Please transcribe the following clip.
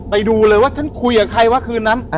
ไปดูเลยว่าฉันคุยกับใครวะคืนนั้น